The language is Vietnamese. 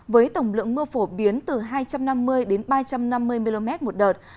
với tổng lượng mưa phổ biến từ hai trăm năm mươi đến ba trăm năm mươi mm một đợt